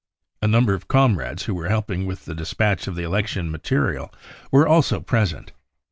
A number of comrades who were helping with the despatch of the election material were also present.